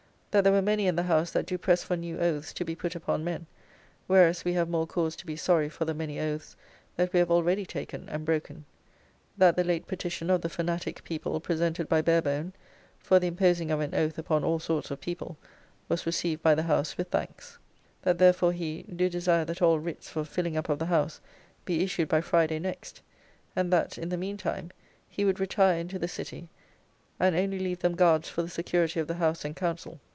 That there were many in the House that do press for new oaths to be put upon men; whereas we have more cause to be sorry for the many oaths that we have already taken and broken. That the late petition of the fanatique people presented by Barebone, for the imposing of an oath upon all sorts of people, was received by the House with thanks. That therefore he [Monk] do desire that all writs for filling up of the House be issued by Friday next, and that in the mean time, he would retire into the City and only leave them guards for the security of the House and Council.